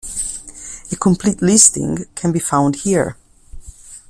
A complete listing can be found here.